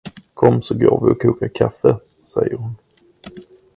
Kom så går vi och kokar kaffe. säger hon.